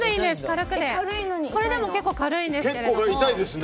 これでも結構軽いんですけれども。